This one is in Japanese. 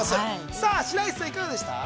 さあ、白石さん、いかがでした？